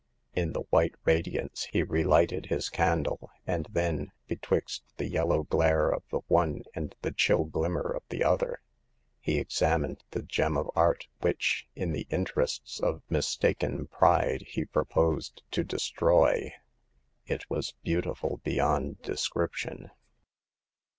In the white radiance he re lighted his candle, and then, betwixt the yellow glare of the one and the chill glimmer of the other, he examined the gem of art which, in ^e interests of mistaken pride^ he proposed The Fifth Customer. 151 to destroy. It was beautiful beyond descrip tion.